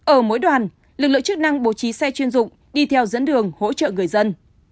ở mỗi đoàn lực lượng chức năng bố trí xe chuyên dụng đi theo dẫn đường hỗ trợ người dân